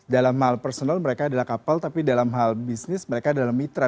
dalam hal personal mereka adalah kapal tapi dalam hal bisnis mereka adalah mitra